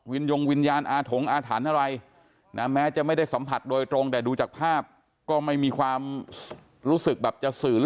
ยงวิญญาณอาถงอาถรรพ์อะไรนะแม้จะไม่ได้สัมผัสโดยตรงแต่ดูจากภาพก็ไม่มีความรู้สึกแบบจะสื่อ